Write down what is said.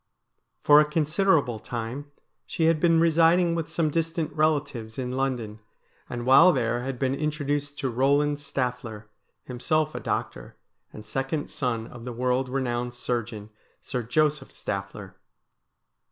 For a considerable time she had been residing with some distant relatives in London, and while there had been introduced to Eoland Stamer, himself a doctor, and second son of the world renowned surgeon, Sir Joseph Stafner.